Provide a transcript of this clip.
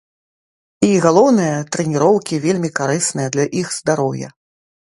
І галоўнае, трэніроўкі вельмі карысныя для іх здароўя.